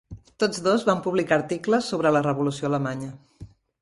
Tots dos van publicar articles sobre la revolució alemanya.